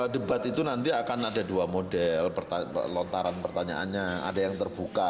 debat itu nanti akan ada dua model lontaran pertanyaannya ada yang terbuka